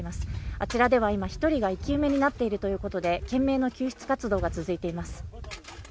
あちらでは今、１人が生き埋めになっているということで、懸命の救出活動が続いています。